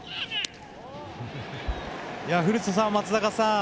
古田さん、松坂さん